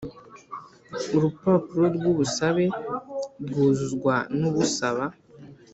Urupapuro rw ubusabe rwuzuzwa n usaba